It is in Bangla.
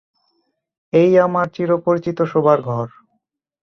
– এই আমার চির-পরিচিত শোবার ঘর।